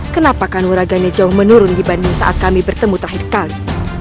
kenapa kanuraganya jauh menurun dibanding saat kami bertemu terakhir kali